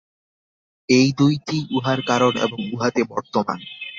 এই দুইটিই উহার কারণ এবং উহাতে বর্তমান।